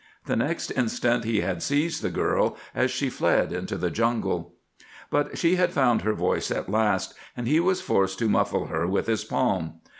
The next instant he had seized the girl as she fled into the jungle. But she had found her voice at last, and he was forced to muffle her with his palm.